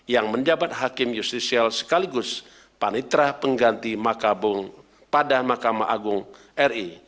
yang menjabat hakim justisial sekaligus panitra pengganti makabung pada mahkamah agung ri